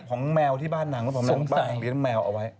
ของแมวที่บ้านหนังบ้านหนังเรียนแมวเอาไว้